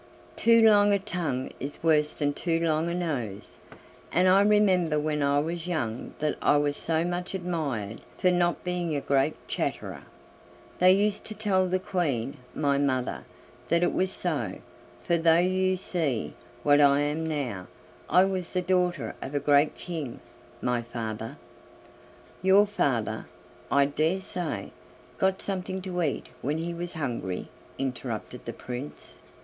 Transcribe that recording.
Too long a tongue is worse than too long a nose, and I remember when I was young that I was so much admired for not being a great chatterer. They used to tell the Queen, my mother, that it was so. For though you see what I am now, I was the daughter of a great king. My father " "Your father, I dare say, got something to eat when he was hungry!" interrupted the Prince.